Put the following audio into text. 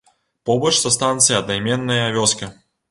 Побач са станцыяй аднайменная вёска.